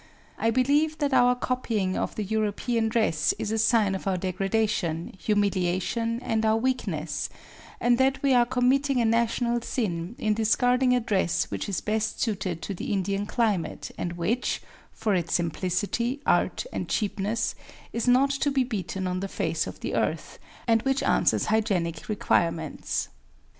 I believe that our copying of the European dress is a sign of our degradation, humiliation and our weakness, and that we are committing a national sin in discarding a dress which is best suited to the Indian[Pg 31] climate and which, for its simplicity, art and cheapness, is not to be beaten on the face of the earth and which answers hygienic requirements.